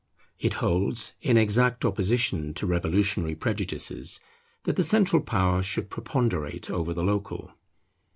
It holds, in exact opposition to revolutionary prejudices, that the central power should preponderate over the local.